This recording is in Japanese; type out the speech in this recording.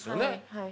はい。